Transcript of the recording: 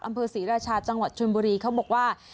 อำเภอศรีราชาจังหวัดชนบุรีเขาบอกว่า